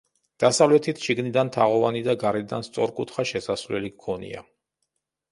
დასავლეთით შიგნიდან თაღოვანი და გარედან სწორკუთხა შესასვლელი ჰქონია.